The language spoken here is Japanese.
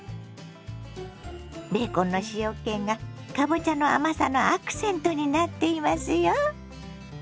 ベーコンの塩けがかぼちゃの甘さのアクセントになっていますよ。